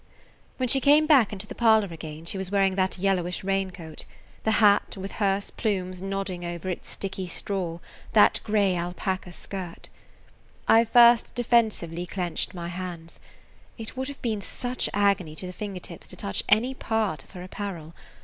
When she came back into the parlor again she was wearing that yellowish raincoat, that hat with hearse plumes nodding over its sticky straw, that gray alpaca skirt. I first defensively clenched my hands. It would have been such agony to the finger tips to touch any part of her apparel.